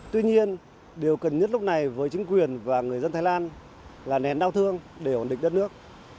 tuy nhiên điều cần nhất lúc này với chính quyền và người dân thái lan là nền đau thương để ổn định đất nước